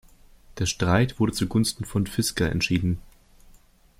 Der Streit wurde zugunsten von Fisker entschieden.